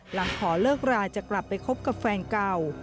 หลังขอเลิกราจะกลับไปคบกับแฟนเก่า